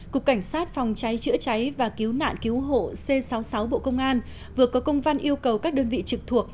cục cảnh sát phòng cháy chữa cháy và cứu nạn cứu hộ c sáu mươi sáu bộ công an vừa có công văn yêu cầu các đơn vị trực thuộc